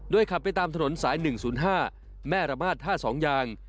ขับไปตามถนนสาย๑๐๕แม่ระมาทท่า๒ยาง